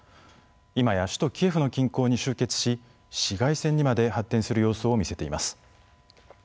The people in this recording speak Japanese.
いまや首都キエフの近郊に集結し市街戦にまで発展する様相を見せています。